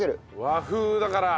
和風だから。